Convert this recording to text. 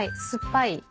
酸っぱい。